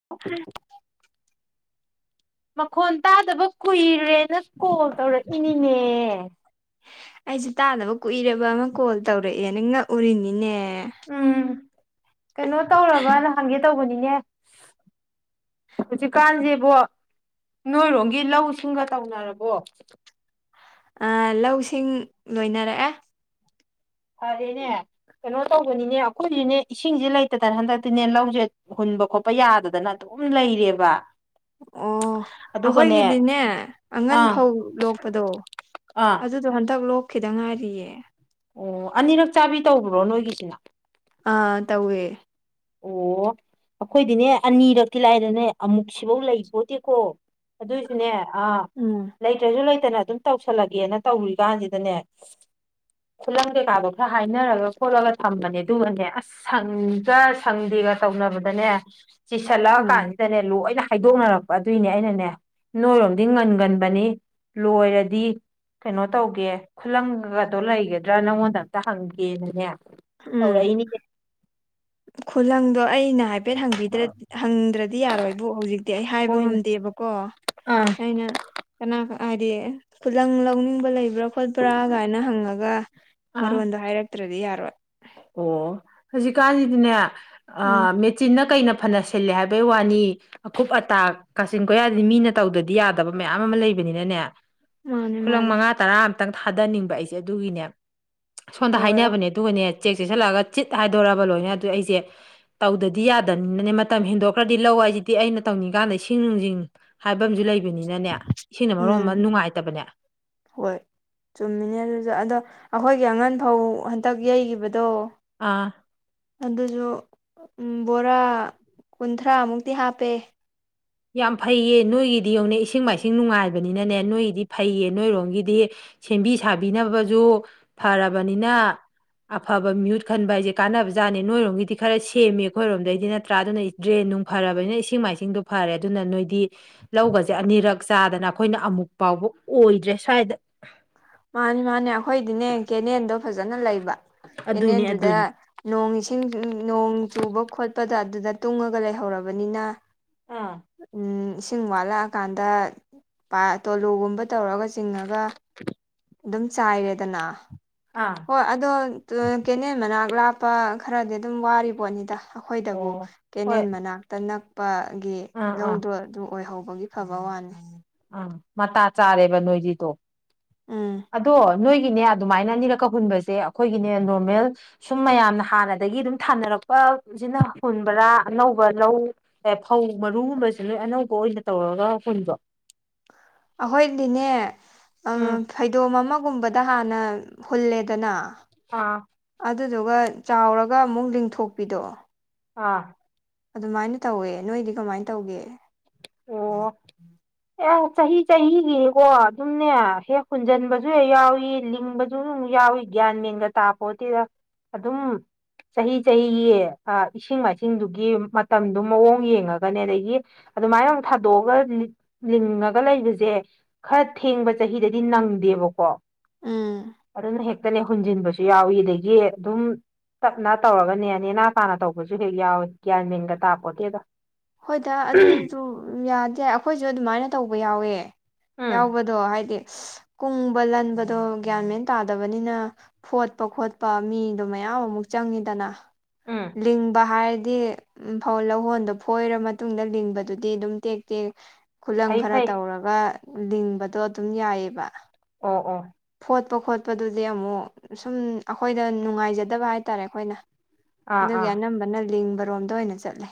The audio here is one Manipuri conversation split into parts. [unintelligible] ꯃꯈꯣꯟ ꯇꯥꯗꯕ ꯀꯨꯏꯔꯦꯅ ꯀꯣꯜ ꯇꯧꯔꯛꯏꯅꯤꯅꯦ꯫ ꯑꯩꯁꯨ ꯇꯥꯗꯕ ꯀꯨꯏꯔꯕ ꯑꯃ ꯀꯣꯜ ꯇꯧꯔꯛꯑꯦꯅ ꯉꯛꯎꯔꯤꯅꯤꯅꯦ꯫ ꯎꯝ ꯀꯩꯅꯣ ꯇꯧꯔꯕꯅ ꯍꯪꯒꯦ ꯇꯧꯕꯅꯤꯅꯦ꯫ ꯍꯧꯖꯤꯛ ꯀꯥꯟꯁꯤꯕꯣ ꯅꯣꯏꯔꯣꯝꯒꯤ ꯂꯧ ꯁꯤꯡꯒ ꯇꯧꯅꯔꯕꯣ? ꯑꯥ ꯂꯧꯁꯤꯡ ꯂꯣꯏꯅꯔꯛꯑꯦ꯫ ꯐꯥꯔꯦꯅꯦ ꯀꯩꯅꯣ ꯇꯧꯕꯅꯤꯅꯦ ꯑꯩꯈꯣꯏꯗꯤꯅꯦ ꯏꯁꯤꯡꯁꯦ ꯂꯩꯇꯗꯅ ꯍꯟꯗꯛꯇꯤꯅꯦ ꯂꯧꯁꯦ ꯍꯨꯟꯕ ꯈꯣꯠꯄ ꯌꯥꯗꯗꯅ ꯑꯗꯨꯝ ꯂꯩꯔꯦꯕ꯫ ꯑꯣ ꯑꯗꯨꯒꯅꯦ ꯑꯩꯈꯣꯏꯒꯤꯗꯤꯅꯦ ꯑꯉꯟ ꯑꯥ ꯐꯧ ꯂꯣꯛꯄꯗꯣ ꯑꯥ ꯑꯗꯨ ꯗꯨ ꯍꯟꯗꯛ ꯂꯣꯛꯈꯤꯗ ꯉꯥꯏꯔꯤꯌꯦ꯫ ꯑꯣ ꯑꯅꯤꯔꯛ ꯆꯥꯕꯤ ꯇꯧꯕ꯭ꯔꯣ ꯅꯣꯏꯒꯤꯁꯤꯅ꯫ ꯑꯥ ꯇꯧꯋꯦ꯫ ꯑꯣ ꯑꯩꯈꯣꯏꯗꯤꯅꯦ ꯑꯅꯤꯔꯛꯇꯤ ꯂꯥꯏꯔꯅꯦ ꯑꯃꯨꯛ ꯁꯤꯐꯧ ꯂꯩꯄꯣꯠꯇꯦꯀꯣ꯫ ꯑꯗꯣꯏꯁꯨꯅꯦ ꯑꯥ__ ꯎꯝ ꯂꯩꯇ꯭ꯔꯁꯨ ꯂꯩꯇꯅ ꯑꯗꯨꯝ ꯇꯧꯁꯜꯂꯒꯦꯅ ꯇꯧꯔꯤ ꯀꯥꯟꯁꯤꯗꯅꯦ__ ꯈꯨꯠꯂꯪ ꯀꯩꯀꯥꯗꯣ ꯈꯔ ꯍꯥꯏꯅꯔꯒ ꯈꯣꯠꯂꯒ ꯊꯝꯕꯅꯦ ꯑꯗꯨꯒꯅꯦ ꯑꯁꯪꯒ__ ꯁꯪꯗꯦꯒ ꯇꯧꯅꯕꯗꯅꯦ ꯆꯤꯁꯜꯂꯛꯑ ꯎꯝ ꯀꯥꯟꯁꯤꯗꯅꯦ ꯂꯣꯏꯅ__ ꯈꯩꯗꯣꯛꯅꯔꯛꯄ ꯑꯗꯨꯏꯅꯦ ꯑꯩꯅꯅꯦ ꯅꯣꯏꯔꯣꯝꯗꯤ ꯉꯟꯒꯟꯕꯅꯤ ꯂꯣꯏꯔꯗꯤ__ ꯀꯩꯅꯣ ꯇꯧꯒꯦ ꯈꯨꯂꯪꯒꯗꯣ ꯂꯩꯒꯗ꯭ꯔꯥ ꯅꯪꯉꯣꯟꯗ ꯑꯝꯇ ꯍꯪꯒꯦꯅꯅꯦ__ ꯎꯝ꯫ ꯈꯨꯂꯪꯗꯣ ꯑꯩꯅ ꯍꯥꯏꯐꯦꯠ ꯍꯪꯕꯤꯗꯩꯔ ꯍꯪꯗ꯭ꯔꯗꯤ ꯌꯥꯔꯣꯏꯕꯨ ꯍꯧꯖꯤꯛ__ ꯇꯤ ꯑꯩ ꯍꯥꯏꯕ ꯍꯣꯏꯅꯦ ꯉꯝꯗꯦꯕꯀꯣ ꯑꯥ ꯑꯩꯅ__ ꯀꯅꯥ ꯍꯥꯏꯗꯤ ꯈꯨꯂꯪ ꯂꯧꯅꯤꯡꯕ ꯂꯩꯕ꯭ꯔꯥ__ ꯈꯣꯠꯄ꯭ꯔꯥꯒꯥꯏꯅ ꯍꯪꯉꯒ ꯑꯥ ꯃꯔꯣꯟꯗꯣ ꯍꯥꯏꯔꯛꯇ꯭ꯔꯗꯤ ꯌꯥꯔꯣꯏ꯫ ꯑꯣ ꯍꯧꯖꯤꯛꯀꯥꯟꯁꯤꯗꯤꯅꯦ ꯑ ꯎꯝ ꯃꯤꯠ__ ꯆꯤꯟꯅ ꯀꯩꯅ ꯐꯅ ꯁꯤꯜꯂꯦ ꯍꯥꯏꯕꯩ ꯋꯥꯅꯤ__ ꯑꯈꯨꯞ ꯑꯇꯥ ꯀꯥꯆꯤꯟ ꯀꯣꯏꯌꯥꯗꯗꯤ ꯃꯤꯅ ꯇꯧꯗꯗꯤ ꯌꯥꯗꯕ ꯃꯌꯥꯝ ꯑꯃ ꯂꯩꯕꯅꯤꯅꯅꯦ__ ꯃꯥꯅꯦ ꯈꯨꯂꯪ ꯃꯥꯅꯦ ꯃꯉꯥ ꯇꯔꯥ ꯑꯇꯪ ꯊꯥꯗꯅꯤꯡꯕ ꯑꯩꯁꯦ ꯑꯗꯨꯒꯤꯅꯦ ꯁꯣꯝꯗ ꯍꯣꯏ ꯍꯥꯏꯅꯕꯅꯦ꯫ ꯑꯗꯨꯒꯅꯦ ꯆꯦꯛ ꯆꯦꯁꯤꯜꯂꯛꯑꯒ ꯆꯤꯠ ꯍꯥꯏꯗꯣꯔꯛꯑꯕ ꯂꯣꯏꯅ ꯑꯗꯨ ꯑꯩꯁꯦ__ ꯇꯧꯗꯗꯤ ꯌꯥꯗꯅꯤꯅꯅꯦ ꯃꯇꯝ ꯍꯦꯟꯗꯣꯛꯈ꯭ꯔꯗꯤ ꯂꯧ ꯍꯥꯏꯁꯤꯗꯤ ꯑꯩꯅ ꯇꯧꯅꯤꯡ ꯀꯥꯟꯗ ꯏꯁꯤꯡ ꯅꯨꯡꯁꯤꯡ__ ꯍꯥꯏꯕ ꯑꯃꯖꯨ ꯂꯩꯕꯅꯤꯅꯅꯦ ꯏꯁꯤꯡꯅ ꯃꯔꯣ ꯎꯝ ꯑꯃ ꯅꯨꯡꯉꯥꯏꯇꯕꯅꯦ꯫ ꯍꯣꯏ꯫ ꯆꯨꯝꯃꯤꯅꯦ ꯑꯗꯨꯁꯨ ꯑꯗꯣ ꯑꯩꯈꯣꯏꯒꯤ ꯑꯉꯟꯐꯧ ꯍꯟꯇꯛ ꯌꯩꯒꯤꯕꯗꯣ__ ꯑꯥ꯫ ꯑꯗꯨꯖꯨ ꯑ ꯕꯣꯔꯥ ꯀꯨꯟꯊ꯭ꯔꯥꯃꯨꯛꯇꯤ ꯍꯥꯞꯄꯦ꯫ ꯌꯥꯝ ꯐꯩꯌꯦ ꯅꯣꯏꯒꯤꯗꯤ ꯌꯧꯅꯦ ꯏꯁꯤꯡ ꯃꯥꯏꯁꯤꯡ ꯅꯨꯡꯉꯥꯏꯕꯅꯤꯅꯅꯦ ꯅꯣꯏꯒꯤꯗꯤ ꯐꯩꯌꯦ ꯅꯣꯏꯔꯣꯝꯒꯤꯗꯤ__ ꯁꯦꯝꯕꯤ ꯁꯥꯕꯤꯅꯕꯁꯨ ꯐꯔꯕꯅꯤꯅꯥ__ ꯑꯐꯕ ꯃꯤꯌꯨꯠ ꯈꯟꯕ ꯍꯥꯏꯁꯦ ꯀꯥꯟꯅꯕꯖꯥꯠꯅꯦ ꯅꯣꯏꯔꯣꯝꯒꯤꯗꯤ ꯈꯔ ꯁꯦꯝꯃꯦ ꯑꯩꯈꯣꯏꯔꯣꯝꯗꯩꯗꯤ ꯅꯠꯇ꯭ꯔꯥ ꯑꯗꯨꯅ__ ꯗ꯭ꯔꯦꯟ ꯅꯨꯡ ꯐꯔꯕꯅꯤꯅ ꯏꯁꯤꯡ ꯃꯥꯏꯁꯤꯡꯗꯣ ꯐꯔꯦ ꯑꯗꯨꯅ ꯅꯣꯏꯗꯤ ꯂꯧꯒꯁꯦ ꯑꯅꯤꯔꯛ__ ꯆꯥꯗꯅ ꯈꯣꯏꯅ ꯑꯃꯨꯛ ꯐꯥꯎꯕ ꯑꯣꯏꯗ꯭ꯔꯦ ꯁ꯭ꯋꯥꯏꯗ꯫ ꯃꯥꯅꯤ ꯃꯥꯅꯦ ꯑꯩꯈꯣꯏꯗꯤꯅꯦ ꯀꯦꯅꯦꯜꯗꯣ ꯐꯖꯅ ꯂꯩꯕ ꯑꯗꯨꯅꯤ ꯀꯦꯅꯦꯜꯗꯨꯗ__ ꯑꯗꯨꯅꯤ ꯅꯣꯡ ꯏꯁꯤꯡ ꯅꯣꯡ ꯆꯨꯕ ꯈꯣꯠꯄꯗ ꯑꯗꯨꯗ ꯇꯨꯡꯉꯒ ꯂꯩꯍꯧꯔꯕꯅꯤꯅ__ ꯑꯥ꯫ ꯏꯁꯤꯡ ꯋꯥꯠꯂꯛꯑꯀꯥꯟꯗ ꯄ ꯇꯣꯂꯨꯒꯨꯝꯕ ꯇꯧꯔꯒ ꯆꯤꯡꯉꯒ__ [inaudible] ꯑꯗꯨꯝ ꯆꯥꯏꯔꯦꯗꯅ ꯑꯥ ꯍꯣꯏ ꯑꯗꯣ ꯀꯦꯅꯦꯜ ꯃꯅꯥꯛ ꯂꯥꯞꯄ ꯈꯔꯗꯤ ꯑꯗꯨꯝ ꯋꯥꯔꯤꯄꯣꯠꯅꯤꯗ ꯑꯩꯈꯣꯏꯗꯕꯨ ꯑꯣ ꯍꯣꯏ ꯀꯦꯅꯦꯟ ꯃꯅꯥꯛꯇ ꯅꯛꯄꯒꯤ ꯑꯥ ꯑꯥ ꯂꯧꯗꯣ ꯑꯗꯨ ꯑꯣꯏꯍꯧꯕꯒꯤ ꯐꯕ ꯋꯥꯅꯤ ꯑꯥ ꯃꯇꯥ ꯆꯥꯔꯦꯕ ꯅꯣꯏꯒꯤꯗꯣ ꯎꯝ ꯑꯗꯣ ꯅꯣꯏꯒꯤꯅꯦ ꯑꯗꯨꯃꯥꯏꯅ ꯑꯅꯤꯔꯛꯀ ꯍꯨꯟꯕꯁꯦ ꯑꯩꯈꯣꯏꯒꯤꯅꯦ ꯅꯣꯔꯃꯦꯜ ꯁꯨꯝ ꯃꯌꯥꯝꯅ ꯍꯥꯟꯅꯗꯒꯤ ꯑꯗꯨꯝ ꯊꯥꯅꯔꯛꯄꯁꯤꯅ ꯍꯨꯟꯕ꯭ꯔꯥ ꯑꯅꯧꯕ ꯂꯧ ꯑꯦ ꯐꯧ ꯃꯔꯨꯒꯨꯝꯕꯁꯦ ꯂꯣꯏ ꯑꯅꯧꯕ ꯑꯣꯏꯅ ꯇꯧꯔꯒ ꯍꯨꯟꯕ꯭ꯔ‌ꯣ ꯑꯩꯈꯣꯏꯗꯤꯅꯦ ꯑ ꯎꯝ ꯐꯩꯗꯣꯝ ꯑꯃꯒꯨꯝꯕꯗ ꯍꯥꯟꯅ ꯍꯨꯜꯂꯦꯗꯅ ꯑꯥ ꯑꯗꯨꯗꯨꯒ ꯆꯥꯎꯔꯒ ꯑꯃꯨꯛ ꯂꯤꯡꯊꯣꯛꯄꯤꯗꯣ ꯑꯥ ꯑꯗꯨꯃꯥꯏꯅ ꯇꯧꯋꯦ ꯅꯣꯏꯗꯤ ꯀꯃꯥꯏꯅ ꯇꯧꯒꯦ ꯑꯣ ꯑꯦ ꯆꯍꯤ ꯆꯍꯤꯒꯤꯀꯣ ꯑꯗꯨꯝꯅꯦ ꯍꯦꯛ ꯍꯨꯟꯖꯟꯕꯁꯨ ꯍꯦꯛ ꯌꯥꯎꯏ ꯂꯤꯡꯕꯁꯨ ꯑꯗꯨ ꯌꯥꯎꯋ ꯒ꯭ꯌꯥꯟ ꯃꯦꯟꯒ ꯇꯥꯄꯣꯠꯇꯗ ꯑꯗꯨꯝ ꯆꯍꯤ ꯆꯍꯤꯒꯤ ꯏꯁꯤꯡ ꯃꯥꯏꯁꯤꯡꯗꯨꯒꯤ ꯃꯇꯝꯗꯨ ꯃꯑꯣꯡ ꯌꯦꯡꯉꯒꯅꯦ ꯑꯗꯒꯤ ꯑꯗꯨꯃꯥꯏꯅ ꯑꯃꯨꯛ ꯊꯥꯗꯣꯛꯑꯒ ꯂꯤꯡꯉꯒ ꯂꯩꯕꯁꯦ ꯈꯔ ꯊꯦꯡꯕ ꯆꯍꯤꯗꯗꯤ ꯅꯪꯗꯦꯕꯀꯣ ꯎꯝ ꯑꯗꯨꯅ ꯍꯦꯛ ꯈꯛꯇꯅꯦ ꯍꯨꯟꯖꯤꯟꯕꯁꯨ ꯌꯥꯎꯏꯤ ꯑꯗꯒꯤ ꯑꯗꯨꯝ ꯆꯞꯅ ꯇꯧꯔꯒꯅꯦ ꯅꯦꯅꯥ ꯇꯥꯅ ꯇꯧꯕꯁꯨ ꯍꯦꯛ ꯌꯥꯎꯋꯤ ꯒ꯭ꯌꯥꯟ ꯃꯤꯡꯒ ꯇꯥꯕꯄꯣꯠꯇ‌ꯦꯗ ꯍꯣꯏꯗ ꯑꯗꯨꯁꯨ ꯌꯥꯗꯦ ꯑꯩꯈꯣꯏꯁꯨ ꯑꯗꯨꯃꯥꯏꯅ ꯇꯧꯕ ꯌꯥꯎꯋꯦ ꯎꯝ ꯌꯥꯎꯕꯗꯣ ꯍꯥꯏ ꯍꯥꯏꯗꯤ ꯀꯨꯡꯕ ꯂꯟꯕꯗꯣ ꯒ꯭ꯌꯥꯟ ꯃꯦꯟ ꯇꯥꯗꯕꯅꯤꯅ ꯐꯣꯠꯄ ꯈꯣꯠꯄ ꯃꯤꯗꯣ ꯃꯌꯥꯝ ꯑꯃꯨꯛ ꯆꯪꯉꯤꯗꯅ ꯎꯝ ꯂꯤꯡꯕ ꯍꯥꯏꯔꯗꯤ ꯎꯝ ꯐꯧ ꯂꯧꯍꯣꯟꯗ‌ꯣ ꯐꯣꯏꯔ ꯃꯇꯨꯡꯗ ꯂꯤꯡꯕꯗꯨꯗꯤ ꯑꯗꯨꯝ ꯇꯦꯛ ꯇꯦꯛ ꯈꯨꯂꯪ ꯐꯩ ꯈꯔ ꯐꯩ ꯇꯧꯔꯒ ꯂꯤꯡꯕꯗꯣ ꯑꯗꯨꯝ ꯌꯥꯏꯑ‌ꯦꯕ ꯑꯣ ꯑꯣ ꯐꯣꯠꯄ ꯈꯣꯠꯄꯗꯨꯗꯤ ꯑꯃꯨꯛ ꯁꯨꯝ ꯑꯩꯈꯣꯏꯗ ꯅꯨꯡꯉꯥꯏꯖꯗꯕ ꯍꯥꯏꯇꯥꯔꯦ ꯑꯩꯈꯣꯏꯅ ꯑꯥ ꯑꯗꯨꯒꯤ ꯑꯥ ꯑꯅꯝꯕꯅ ꯂꯤꯡꯕꯔꯣꯝꯗ ꯑꯣꯏꯅ ꯆꯠꯂꯦ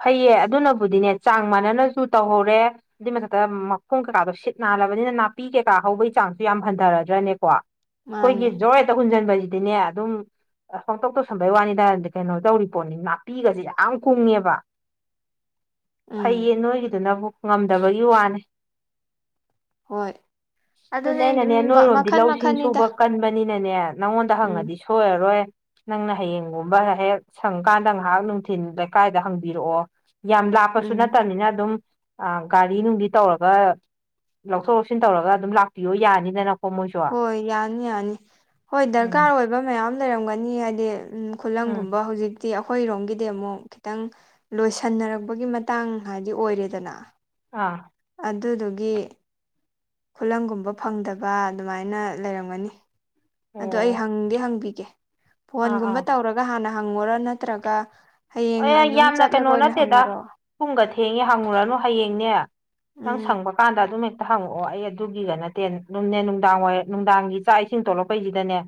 ꯐꯩꯌꯦ ꯑꯗꯨꯅꯕꯨꯗꯤꯅꯦ ꯆꯥꯡ ꯃꯥꯟꯅꯅꯁꯨ ꯇꯧꯍꯧꯔꯦ ꯑꯗꯨꯏ ꯃꯊꯛꯇ ꯃꯈꯣꯡ ꯀꯩꯀꯥꯗꯣ ꯁꯤꯠ ꯅꯥꯜꯂꯕꯅꯤꯅ ꯅꯥꯄꯤ ꯀꯩꯀꯥ ꯍꯧꯕꯒꯤ ꯆꯥꯡꯁꯨ ꯌꯥꯝ ꯍꯟꯊꯔꯗ꯭ꯔꯅꯦꯀꯣ ꯑꯩꯈꯣꯏꯒꯤ ꯃꯥꯅꯦ ꯖꯣꯔ ꯍꯦꯠꯇ ꯍꯨꯟꯖꯟꯕꯁꯤꯗꯤꯅꯦ ꯑꯗꯨꯝ ꯑꯁ ꯍꯪꯇꯧ ꯇꯧꯁꯟꯕꯩ ꯋꯥꯅꯤꯗ ꯀꯩꯅꯣ ꯇꯧꯔꯤ ꯄꯣꯠꯅꯤ ꯅꯥꯄꯤꯒꯁꯦ ꯌꯥꯝ ꯀꯨꯡꯉꯦꯕ ꯎꯝ ꯐꯩꯌꯦ ꯅꯣꯏꯒꯤꯗꯨꯅꯕꯨ ꯉꯝꯗꯕꯒꯤ ꯋꯥꯅꯦ ꯍꯣꯏ ꯑꯗꯨꯅꯦ ꯑꯩꯅꯅꯦ ꯅꯣꯏꯔꯣꯝꯗꯤ ꯃꯈꯟ ꯂꯧ ꯁꯤꯡ ꯃꯈꯟꯅꯤꯗ ꯁꯨꯕ ꯀꯟꯕꯅꯤꯅꯅꯦ ꯅꯪꯉꯣꯟꯗ ꯎꯝ ꯍꯪꯉꯗꯤ ꯁꯣꯏꯔꯔꯣꯏ ꯅꯪꯅ ꯍꯌꯦꯡꯒꯨꯝꯕ ꯍꯦꯛ ꯁꯪꯀꯥꯟꯗ ꯉꯥꯏꯍꯥꯛ ꯅꯨꯡꯊꯤꯜ ꯂꯩꯀꯥꯏꯗ ꯍꯪ ꯏꯔꯛꯑꯣ ꯌꯥꯝ ꯂꯥꯞꯄꯁꯨ ꯎꯝ ꯅꯠꯇꯕꯅꯤꯅ ꯑꯗꯨꯝ ꯒꯥꯔꯤ ꯅꯨꯡꯗꯤ ꯇꯧꯔꯒ ꯂꯧꯊꯣꯛ ꯂꯧꯁꯤꯟ ꯇꯧꯔꯒ ꯑꯗꯨꯝ ꯂꯥꯛꯄꯤꯌꯣ ꯌꯥꯅꯤꯗꯅ ꯍꯣꯏ ꯌꯥꯅꯤ ꯌꯥꯅꯤ ꯍꯣꯏ ꯗꯔꯀꯥꯔ ꯎꯝ ꯑꯣꯏꯕ ꯃꯌꯥꯝ ꯂꯩꯔꯝꯒꯅꯤ ꯍꯥꯏꯗꯤ ꯎꯝ ꯎꯝ ꯈꯨꯂꯪꯒꯨꯝꯕ ꯍꯧꯖꯤꯛ ꯤ ꯑꯩꯈꯣꯏꯔꯣꯝꯒꯤꯗꯤ ꯑꯃꯨꯛ ꯈꯤꯇꯪ ꯂꯣꯏꯁꯟꯅꯔꯛꯄꯒꯤ ꯃꯇꯥꯡ ꯍꯥꯏꯗꯤ ꯑꯣꯏꯔꯦꯗꯅ ꯑꯥ ꯑꯗꯨꯗꯨꯒꯤ ꯈꯨꯂꯪꯒꯨꯝꯕ ꯐꯪꯗꯕ ꯑꯗꯨꯃꯥꯏꯅ ꯂꯩꯔꯝꯒꯅꯤ ꯑꯗꯣ ꯑꯩ ꯑꯣ ꯍꯪꯗꯤ ꯍꯪꯕꯤꯒꯦ ꯑꯥ ꯐꯣꯟꯒꯨꯝꯕ ꯑꯥ ꯇꯧꯔꯒ ꯍꯥꯟꯅ ꯍꯪꯉꯨꯔꯣ ꯅꯠꯇ꯭ꯔꯒ ꯍꯌꯦꯡ ꯑꯦ ꯑꯗꯨꯝ ꯌꯥꯝꯅ ꯆꯠꯂꯒ ꯀꯩꯅꯣ ꯑꯣꯏꯅ ꯅꯠꯇꯦꯗ ꯍꯪꯉꯨꯔꯣ ꯄꯨꯡꯒ ꯊꯦꯡꯉꯦ ꯍꯪꯉꯨꯔꯅꯨ ꯍꯌꯦꯡꯅꯦ ꯅꯪ ꯎꯝ ꯁꯪꯕ ꯀꯥꯟꯗ ꯑꯗꯨꯝ ꯍꯦꯛꯇ ꯍꯪꯉꯛꯑꯣ ꯑꯩ ꯑꯗꯨꯒꯤꯒ ꯅꯠꯇꯦ ꯑꯗꯨꯝꯅꯦ ꯅꯨꯡꯗꯥꯡ ꯋꯥꯏꯔ ꯅꯨꯡꯗꯥꯡꯒꯤ ꯆꯥꯛ ꯏꯁꯤꯡ ꯊꯣꯛꯣꯂꯛꯄꯩꯁꯤꯗꯅꯦ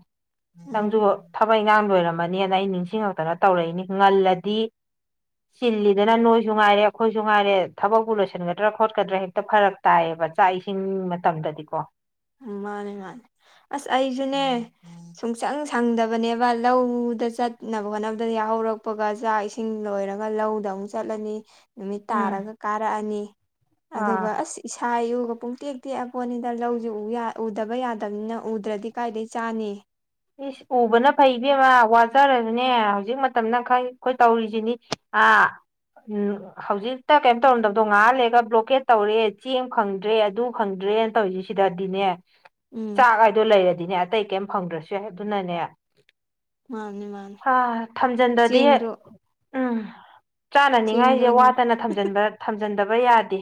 ꯎꯝ ꯆꯪꯖꯨ ꯊꯕꯛ ꯏꯈꯥꯡ ꯂꯣꯏꯔꯝꯃꯅꯤꯅ ꯑꯩ ꯅꯤꯡꯁꯤꯡꯉꯛꯇꯅ ꯇꯧꯔꯛꯏꯅꯤ ꯉꯜꯂꯗꯤ ꯆꯤꯜꯂꯤꯗꯅ ꯅꯣꯏꯁꯨ ꯉꯥꯏꯔꯦ ꯑꯩꯈꯣꯏꯁꯨ ꯉꯥꯏꯔꯦ ꯊꯕꯛꯄꯨ ꯂꯣꯏꯁꯤꯟꯒꯗ꯭ꯔꯥ ꯈꯣꯠꯀꯗ꯭ꯔꯥ ꯍꯦꯛꯇ ꯐꯔ ꯇꯥꯏꯌꯦꯕ ꯆꯥꯛ ꯏꯁꯤꯡ ꯃꯇꯝꯗꯗꯤꯀꯣ ꯃꯥꯅꯤ ꯃꯥꯅꯦ ꯑꯁ ꯑꯩꯁꯨꯨꯅꯦ ꯁꯨꯡꯁꯪ ꯁꯪꯗꯕꯅꯦꯕ ꯂꯧꯗ ꯆꯠꯅꯕ ꯈꯣꯠꯅꯕꯗ ꯌꯥꯍꯧꯔꯛꯄꯒ ꯆꯥꯛ ꯏꯁꯤꯡ ꯂꯣꯏꯔꯒ ꯂꯧꯗ ꯑꯃꯨꯛ ꯆꯠꯂꯅꯤ ꯅꯨꯃꯤꯠ ꯎꯝ ꯇꯥꯔꯒ ꯀꯥꯔꯛꯑꯅꯤ ꯑꯗꯨꯒ ꯑꯥ ꯑꯁ ꯏꯁꯥ ꯌꯨꯒ ꯄꯨꯡꯇꯦꯛ ꯇꯦꯛꯑꯄꯣꯟꯅꯤꯗ ꯂꯧꯏ ꯍꯧ ꯎꯗꯕ ꯌꯥꯗꯕꯅꯤꯅ ꯎꯗ꯭ꯔꯗꯤ ꯀꯥꯏꯗꯒꯤ ꯆꯥꯅꯤ ꯏꯁ ꯎꯕꯅ ꯐꯩꯕꯃ ꯋꯥꯠꯆꯔꯁꯨꯅꯦ ꯍꯧꯖꯤꯛ ꯃꯇꯝꯅ ꯈꯔ ꯑꯩꯈꯣꯏ ꯇꯧꯔꯤꯁꯤꯅꯤ ꯑꯥ ꯎꯝ ꯍꯧꯖꯤꯛꯇ ꯀꯩꯅꯝ ꯇꯧꯔꯝꯗꯕꯗꯣ ꯉꯍꯜꯂꯦꯒ ꯕ꯭ꯂꯣꯀꯦꯠ ꯇꯧꯔꯦ ꯆꯦꯡ ꯈꯪꯗ꯭ꯔꯦ ꯑꯗꯨ ꯈꯪꯗ꯭ꯔꯦꯅ ꯇꯧꯔꯤꯁꯤ ꯁꯤꯗꯗꯤꯅꯦ ꯎꯝ ꯆꯥꯛ ꯍꯥꯏꯗꯣ ꯂꯩꯔꯗꯤꯅꯦ ꯑꯇꯩ ꯀꯩꯝ ꯐꯪꯗ꯭ꯔꯁꯨ ꯌꯥꯏ ꯑꯗꯨꯅꯅꯦ ꯃꯥꯅꯦ ꯃꯥꯅꯦ ꯍꯥ ꯊꯝꯖꯤꯟꯕꯗꯤ ꯆꯦꯡꯗꯣ ꯎꯝ ꯆꯥꯅꯅꯤꯡꯉꯥꯏꯁꯦ ꯆꯦꯡꯗꯣꯅꯦ ꯋꯥꯠꯇꯅ ꯊꯝꯖꯤꯟꯕ ꯊꯝꯖꯤꯟꯗꯕ ꯌꯥꯗꯦ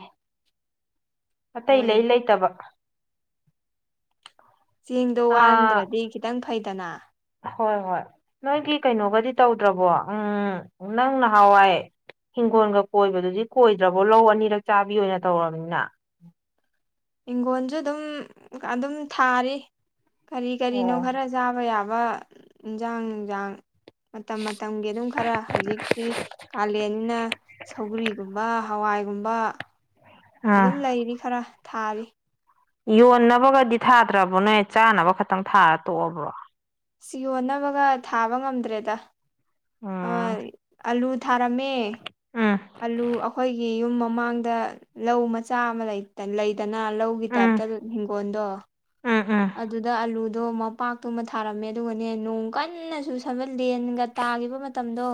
ꯑꯇꯩ ꯂꯩ ꯍꯣꯏꯅꯦ ꯂꯩꯇꯕ ꯆꯦꯡꯗꯣ ꯑꯥ ꯋꯥꯟꯗ꯭ꯔꯗꯤ ꯈꯤꯇꯪ ꯐꯩꯗꯅꯥ ꯍꯣꯏ ꯍꯣꯏ ꯅꯣꯏꯒꯤ ꯀꯩꯅꯣꯒꯗꯤ ꯇꯧꯗ꯭ꯔꯕꯣ ꯎꯝ ꯅꯪ ꯅꯍꯥꯋꯥꯏ ꯍꯤꯡꯈꯣꯟꯒ ꯀꯣꯏꯕꯗꯨꯗꯤ ꯀꯣꯏꯗ꯭ꯔꯕꯣ ꯂꯧ ꯑꯅꯤꯔꯛ ꯆꯥꯕꯤ ꯑꯣꯏꯅ ꯇꯧꯔꯕꯅꯤꯅ ꯍꯤꯡꯈꯣꯟꯖꯨ ꯑꯗꯨꯝ ꯑꯗꯨꯝ ꯊꯥꯔꯤ ꯀꯔꯤ ꯀꯔꯤꯅꯣ ꯑꯣ ꯈꯔ ꯆꯥꯕ ꯌꯥꯕ ꯏꯟꯖꯥꯡ ꯅꯨꯡꯖꯥꯡ ꯃꯇꯝ ꯃꯇꯝꯒꯤ ꯑꯗꯨꯝ ꯈꯔ ꯍꯧꯖꯤꯛꯇꯤ ꯀꯥꯂꯦꯟꯅꯤꯅ ꯁꯧꯒ꯭ꯔꯤꯒꯨꯝꯕꯥ ꯍꯋꯥꯏꯒꯨꯝꯕ ꯑꯥ ꯑꯗꯨꯝ ꯂꯩꯔꯤ ꯈꯔ ꯊꯥꯔꯤ ꯌꯣꯟꯅꯕꯒꯗꯤ ꯊꯥꯗ꯭ꯔꯕꯣ ꯅꯣꯏ ꯆꯥꯅꯕ ꯈꯛꯇꯪ ꯊꯥꯔ ꯇꯣꯛꯑꯕ꯭ꯔꯣ ꯁꯤ ꯌꯣꯟꯅꯕꯒ ꯊꯥꯕ ꯉꯝꯗ꯭ꯔꯦꯗ ꯑꯥ ꯎꯝ ꯑꯂꯨ ꯊꯥꯔꯝꯃꯦ ꯎꯝ ꯑꯂꯨ ꯑꯈꯣꯏꯒꯤ ꯌꯨꯝ ꯃꯃꯥꯡꯗ ꯂꯧ ꯃꯆꯥ ꯑꯃ ꯂꯩ ꯇ ꯂꯩꯗꯅ ꯂꯧꯒꯤ ꯇꯥꯏꯞꯇ ꯎꯝ ꯍꯤꯡꯒꯣꯟꯗꯣ ꯎꯝ ꯎꯝ ꯑꯗꯨꯗ ꯑꯂꯨꯗꯣ ꯃꯄꯥꯛꯇꯨꯃ ꯊꯥꯔꯝꯃꯦ ꯑꯗꯨꯒꯅꯦ ꯅꯣꯡ ꯀꯟꯅ ꯆꯨꯁꯤ ꯊꯕ ꯂꯦꯟꯒ ꯇꯥꯈꯤꯕ ꯃꯇꯝꯗꯣ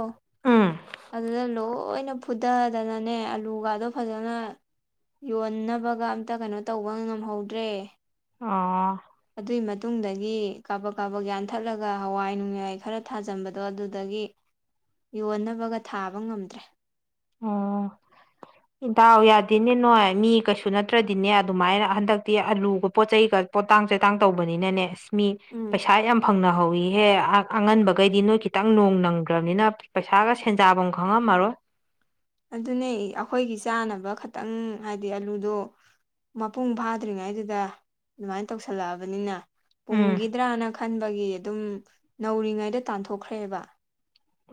ꯎꯝ ꯑꯗꯨꯗ ꯂꯣꯏꯅ ꯐꯨꯊꯗꯅꯅꯦ ꯑꯂꯨꯒꯗꯣ ꯐꯖꯅ ꯌꯣꯟꯅꯕꯒ ꯑꯝꯇ ꯀꯩꯅꯣ ꯇꯧꯕ ꯉꯝꯍꯧꯗ꯭ꯔꯦ ꯑꯣ ꯑꯗꯨꯏ ꯃꯇꯨꯡꯗꯒꯤ ꯀꯥꯕꯛ ꯀꯥꯕꯛ ꯌꯥꯟꯊꯠꯂꯒ ꯍꯋꯥꯏ ꯅꯨꯡꯌꯥꯏ ꯈꯔ ꯊꯥꯖꯟꯕꯗꯣ ꯑꯗꯨꯗꯒꯤ ꯌꯣꯟꯅꯕꯒ ꯊꯥꯕ ꯉꯝꯗ꯭ꯔꯦ ꯑꯣ ꯗꯥꯎ ꯌꯥꯗꯤꯅꯦ ꯅꯣꯏ ꯃꯤ ꯀꯩꯁꯨ ꯅꯠꯇ꯭ꯔꯗꯤꯅꯦ ꯑꯗꯨꯃꯥꯏꯅ ꯍꯟꯗꯛꯇꯤ ꯑꯂꯨꯒ ꯄꯣꯠ ꯆꯩꯒ ꯄꯣꯇꯥꯡ ꯆꯩꯇꯥꯡ ꯇꯧꯕꯅꯤꯅꯅꯦ ꯑꯁ ꯃꯤ ꯎꯝ ꯄꯩꯁꯥ ꯌꯥꯝ ꯐꯪꯅꯍꯧꯋꯤꯍꯦ ꯑꯥ ꯑꯉꯟꯕꯒꯩꯗꯤ ꯅꯣꯏ ꯈꯤꯇꯪ ꯅꯣꯡ ꯅꯪꯒꯔ꯭ꯥꯕꯅꯤꯅ ꯄꯩꯁꯥꯒ ꯁꯦꯟꯖꯥꯐꯝ ꯈꯪꯉꯝꯃꯔꯣꯏ ꯑꯗꯨꯅꯦ ꯑꯈꯣꯏꯒꯤ ꯆꯥꯅꯕ ꯈꯇꯪ ꯍꯥꯏꯗꯤ ꯑꯂꯨꯗꯣ ꯃꯄꯨꯡ ꯐꯥꯗ꯭ꯔꯤꯉꯩꯗꯨꯗ ꯗꯨꯃꯥꯏꯅ ꯇꯧꯁꯜꯂꯛꯑꯕꯅꯤꯅ ꯎꯝ ꯄꯨꯝꯒꯤꯗ꯭ꯔꯥꯅ ꯈꯟꯕꯒꯤ ꯑꯗꯨꯝ ꯅꯧꯔꯤꯉꯩꯗ ꯇꯥꯟꯊꯣꯛꯈ꯭ꯔꯦꯕ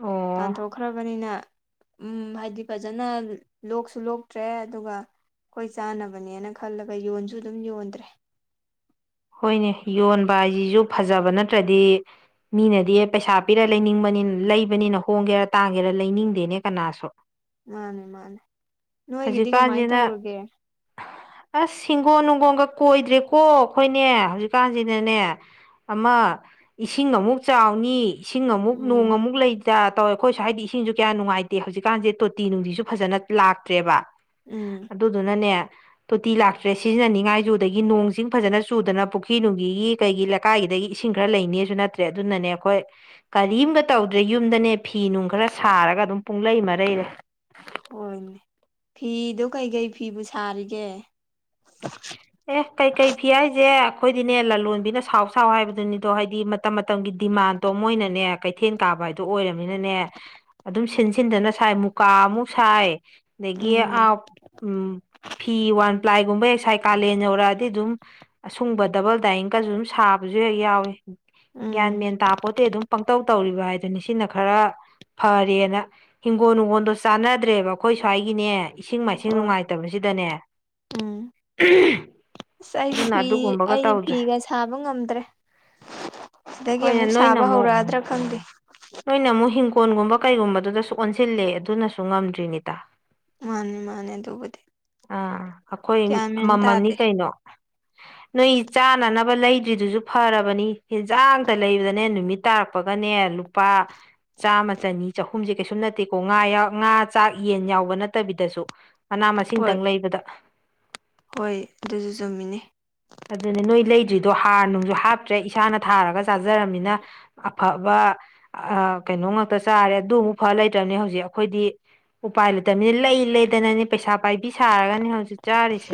ꯑꯣ ꯇꯥꯟꯊꯣꯛꯈ꯭ꯔꯕꯅꯤꯅ ꯎꯝ ꯍꯥꯏꯗꯤ ꯐꯖꯅ ꯂꯣꯛꯁꯨ ꯂꯣꯛꯇ꯭ꯔꯦ ꯑꯗꯨꯒ ꯈꯣꯏ ꯆꯥꯅꯕꯅꯦꯅ ꯈꯜꯂꯒ ꯌꯣꯟꯁꯨ ꯗꯨꯝ ꯌꯣꯟꯗ꯭ꯔꯦ ꯍꯣꯏꯅꯦ ꯌꯣꯟꯕ ꯍꯥꯏꯖꯤꯁꯨ ꯐꯖꯕ ꯅꯠꯇ꯭ꯔꯗꯤ ꯃꯤꯅꯗꯤ ꯄꯩꯁꯥ ꯄꯤꯔ ꯂꯩꯅꯤꯡꯕꯅꯤꯅ ꯂꯩꯕꯅꯤꯅ ꯍꯣꯡꯒꯦꯔꯥ ꯇꯥꯡꯒꯦꯔꯥ ꯂꯩꯅꯤꯡꯗꯦꯅꯦ ꯀꯅꯥꯁꯨ ꯃꯥꯅꯤ ꯃꯥꯅꯤ ꯅꯣꯏꯒꯤꯗꯤ ꯀꯃꯥꯏꯅ ꯍꯧꯖꯤꯛꯀꯥꯟꯁꯤꯅ ꯇꯧꯔꯒꯦ ꯑꯁ ꯍꯤꯡꯒꯣꯟ ꯅꯨꯡꯒꯣꯟꯒ ꯀꯣꯏꯗ꯭ꯔꯦꯀꯣ ꯍꯣꯏꯅꯦ ꯍꯧꯖꯤꯛꯀꯥꯟꯁꯤꯅꯅꯦ ꯑꯃ ꯏꯁꯤꯡ ꯑꯃꯨꯛ ꯆꯥꯎꯅꯤ ꯏꯁꯤꯡ ꯑꯃꯨꯛ ꯅꯣꯡ ꯎꯝ ꯑꯃꯨꯛ ꯂꯩ ꯇꯥ ꯇꯧꯋꯦ ꯑꯩꯈꯣꯏ ꯁꯋ꯭ꯥꯏꯗꯤ ꯏꯁꯤꯡꯁꯨ ꯀꯌꯥ ꯅꯨꯡꯉꯥꯏꯇꯦ ꯍꯧꯖꯤꯛꯀꯥꯟꯁꯦ ꯇꯣꯇꯤ ꯅꯨꯡꯇꯤꯁꯨ ꯐꯖꯅ ꯂꯥꯛꯇ꯭ꯔꯦꯕ ꯎꯝ ꯗꯨꯗꯨꯅꯅꯦ ꯇꯣꯇꯤ ꯂꯥꯛꯇ꯭ꯔꯦ ꯁꯤꯖꯤꯟꯅꯅꯤꯡꯉꯥꯏꯖꯨ ꯑꯗꯒꯤ ꯅꯣꯡꯆꯤꯡ ꯐꯖꯅ ꯆꯨꯗꯅ ꯄꯨꯈ꯭ꯔꯤ ꯅꯨꯡꯒꯤꯒꯤ ꯀꯩꯒꯤ ꯂꯀꯥꯏꯒꯤꯗꯒꯤ ꯏꯁꯤꯡ ꯈꯔ ꯂꯩꯅꯤꯁꯨ ꯅꯠꯇ꯭ꯔꯦ ꯑꯗꯨꯅꯅꯦ ꯑꯩꯈꯣꯏ ꯀꯔꯤꯝꯒ ꯇꯧꯗ꯭ꯔꯦ ꯌꯨꯝꯗꯅꯦ ꯐꯤ ꯅꯨꯡ ꯈꯔ ꯁꯥꯔꯒ ꯑꯗꯨꯝ ꯄꯨꯡꯂꯩ ꯃꯔꯩꯔꯦ ꯍꯣꯏꯅꯦ ꯐꯤꯗꯣ ꯀꯩꯀꯩ ꯐꯤꯕꯨ ꯁꯥꯔꯤꯒꯦ ꯑꯦ ꯀꯩꯀꯩ ꯐꯤ ꯍꯥꯏꯖꯦ ꯑꯩꯈꯣꯏꯗꯤꯅꯦ ꯂꯂꯣꯟꯕꯤꯅ ꯁꯥꯎ ꯁꯥꯎ ꯍꯥꯏꯕꯗꯨꯅꯤꯗꯣ ꯍꯥꯏꯗꯤ ꯃꯇꯝ ꯃꯇꯝꯒꯤ ꯗꯤꯃꯥꯟ ꯗꯣ ꯃꯣꯏꯅꯅꯦ ꯀꯩꯊꯦꯟ ꯀꯥꯕ ꯍꯥꯏꯗꯣ ꯑꯣꯏꯔꯝꯅꯤꯅꯅꯦ ꯑꯗꯨꯝ ꯁꯤꯟꯁꯤꯟꯗꯅ ꯁꯥꯏ ꯃꯨꯀꯥ ꯑꯃꯨꯛ ꯁꯥꯏ ꯗꯒꯤ ꯎꯝ ꯑꯥ ꯎꯝ ꯐꯤ ꯋꯥꯟ ꯄ꯭ꯂꯥꯏꯒꯨꯝꯕ ꯍꯦꯛ ꯁꯥꯏ ꯀꯥꯂꯦꯟ ꯌꯧꯔꯛꯑꯗꯤ ꯑꯗꯨꯝ ꯑꯁꯨꯡꯕ ꯗꯕꯜ ꯗꯥꯏꯡꯀꯁꯨ ꯑꯗꯨꯝ ꯁꯥꯕꯁꯨ ꯍꯦꯛ ꯌꯥꯎꯏꯤ ꯒ꯭ꯌꯥꯟ ꯎꯝ ꯃꯦꯟ ꯇꯥꯄꯣꯇꯦ ꯑꯗꯨꯝ ꯄꯪꯇꯧ ꯇꯧꯔꯤꯕ ꯍꯥꯏꯗꯨꯅꯤ ꯁꯤꯅ ꯈꯔ ꯐꯔꯦꯅ ꯍꯤꯡꯒꯣꯜ ꯅꯨꯡꯒꯣꯜꯗꯣ ꯆꯥꯟꯅꯗ꯭ꯔꯦꯕ ꯑꯩꯈꯣꯏ ꯁ꯭ꯋꯥꯏꯒꯤꯅꯦ ꯏꯁꯤꯡ ꯃꯥꯏꯁꯤꯡ ꯍꯣꯏ ꯅꯨꯡꯉꯥꯏꯇꯕꯁꯤꯗꯅꯦ ꯎꯝ ꯑꯁ ꯑꯩꯗꯤ ꯑꯗꯨꯅ ꯐꯤ ꯑꯗꯨꯒꯨꯝꯕꯒ ꯑꯩꯗꯤ ꯇꯧꯗ꯭ꯔꯦ ꯐꯤꯒ ꯁꯥꯕ ꯉꯝꯗ꯭ꯔꯦ ꯁꯤꯗꯒꯤ ꯍꯣꯏꯅꯦ ꯑꯃꯨꯛ ꯅꯣꯏꯅ ꯁꯥꯕ ꯑꯃꯨꯛ ꯍꯧꯔꯛꯑꯗ꯭ꯔꯥ ꯈꯪꯗꯦ ꯅꯣꯏꯅ ꯑꯃꯨꯛ ꯍꯤꯡꯒꯣꯜꯒꯨꯝꯕ ꯀꯩꯒꯨꯝꯕꯗꯨꯗꯁꯨ ꯑꯣꯟꯁꯤꯜꯂꯦ ꯑꯗꯨꯅꯁꯨ ꯉꯝꯗ꯭ꯔꯤꯅꯤꯗꯥ ꯃꯥꯅꯦ ꯃꯥꯅꯦ ꯑꯗꯨꯕꯨꯗꯤ ꯑꯥ ꯑꯩꯈꯣꯏ ꯀꯌꯥꯃꯦꯟ ꯇꯥꯗꯦ [unintelligible] ꯅꯣꯏ ꯆꯥꯅꯅꯕ ꯂꯩꯗ꯭ꯔꯤꯗꯨꯁꯨ ꯐꯔꯕꯅꯤ ꯍꯟꯖꯥꯡꯇ ꯂꯩꯕꯗꯅꯦ ꯅꯨꯃꯤꯠ ꯇꯥꯔꯛꯄꯒꯅꯦ ꯂꯨꯄꯥ ꯆꯥꯝꯃ ꯆꯅꯤ ꯆꯍꯨꯝꯁꯦ ꯀꯩꯁꯨꯝ ꯅꯠꯇꯦꯀꯣ ꯉꯥ ꯉꯥ ꯆꯥꯛ ꯌꯦꯟ ꯌꯥꯎꯕ ꯅꯠꯇꯕꯤꯗꯁꯨ ꯃꯅꯥ ꯍꯣꯏ ꯃꯁꯤꯡꯗꯪ ꯂꯩꯕꯗ ꯍꯣꯏ ꯑꯗꯨꯁꯨ ꯆꯨꯝꯃꯤꯅꯤ ꯑꯗꯨꯅꯦ ꯅꯣꯏ ꯂꯩꯗ꯭ꯔꯤꯗꯣ ꯍꯥꯔ ꯅꯨꯡꯁꯨ ꯍꯥꯞꯇ꯭ꯔꯦ ꯏꯁꯥꯅ ꯊꯥꯔꯒ ꯆꯥꯖꯔꯝꯃꯤꯅ ꯑꯐꯕ ꯀꯩꯅꯣ ꯉꯥꯛꯇ ꯆꯥꯔꯦ ꯑꯗꯨꯃꯨꯛ ꯐ ꯂꯩꯇ꯭ꯔꯕꯅꯤ ꯍꯧꯖꯤꯛ ꯑꯩꯈꯣꯏꯗꯤ ꯎꯄꯥꯏ ꯂꯩꯇꯕꯅꯤ ꯂꯩ ꯂꯩꯗꯅꯅꯤ ꯄꯩꯁꯥ ꯄꯥꯏꯕꯤ ꯁꯥꯔꯒꯅꯤ ꯍꯧꯖꯤꯛ ꯆꯥꯔꯤꯁꯦ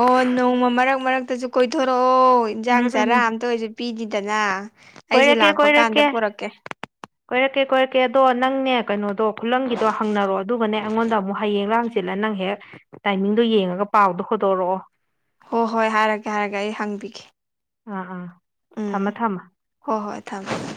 ꯑꯣ ꯅꯣꯡꯃ ꯃꯔꯛ ꯃꯔꯛꯇꯁꯨ ꯀꯣꯏꯊꯣꯔꯛꯑꯣ ꯎꯝ ꯏꯟꯖꯥꯡ ꯆꯥꯔꯥ ꯎꯝ ꯑꯝꯇ ꯑꯣꯏꯁꯨ ꯄꯤꯗꯤꯗꯅ ꯑꯩꯁꯦ ꯀꯣꯏꯔꯛꯀꯦ ꯂꯥꯛꯄ ꯀꯥꯟꯗ ꯀꯣꯏꯔꯛꯀꯦ ꯄꯨꯔꯛꯀꯦ ꯀꯣꯏꯔꯛꯀꯦ ꯀꯣꯏꯔꯛꯀꯦ ꯑꯗꯣ ꯅꯪꯅꯦ ꯀꯩꯅꯣꯗꯣ ꯈꯨꯂꯪꯒꯤꯗꯣ ꯍꯪꯅꯔꯣ ꯑꯗꯨꯒꯅꯦ ꯑꯩꯉꯣꯟꯗ ꯑꯃꯨꯛ ꯍꯌꯦꯡ ꯂꯥꯡꯁꯤ ꯁꯤꯜꯂ ꯅꯪ ꯍꯦꯛ ꯇꯥꯏꯃꯤꯡꯗꯣ ꯌꯦꯡꯉꯒ ꯄꯥꯎꯗꯣ ꯍꯣꯠꯇꯣꯔꯛꯑꯣ ꯍꯣ ꯍꯣꯏ ꯍꯥꯏꯔꯒꯦ ꯍꯥꯏꯔꯒꯦ ꯑꯩ ꯍꯪꯕꯤꯒꯦ ꯑꯥ ꯑꯥ ꯊꯝꯃ ꯊꯝꯃ ꯍꯣ ꯍꯣꯏ ꯊꯝ [unintelligible]